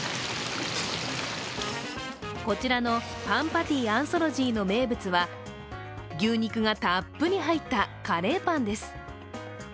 こちらのパンパティアンソロジーの名物は牛肉がたっぷり入ったカレーパンです。